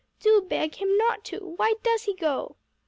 Do beg him not to. Why does he go?"